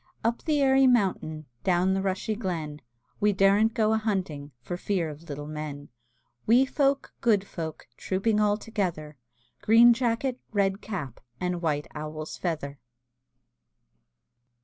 Up the airy mountain, Down the rushy glen, We daren't go a hunting For fear of little men; Wee folk, good folk, Trooping all together; Green jacket, red cap, And white owl's feather!